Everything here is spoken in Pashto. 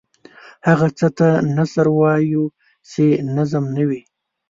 هغه څه ته نثر وايو چې نظم نه وي.